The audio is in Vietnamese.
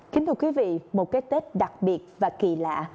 kính thưa quý vị một cái tết đặc biệt và kỳ lạ